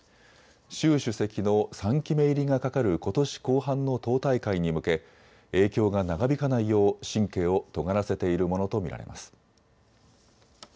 習主席の３期目入りがかかることし後半の党大会に向け影響が長引かないよう神経をとがらせているものと見られます。